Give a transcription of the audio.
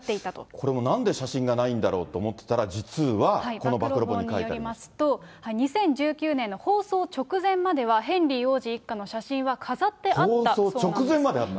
これもなんで写真がないんだろうと思ってたら、実は、暴露本によりますと、２０１９年の放送直前までは、ヘンリー王子一家の写真は飾ってあ放送直前まであったと。